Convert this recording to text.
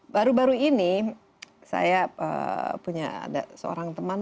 baru baru ini saya punya ada seorang teman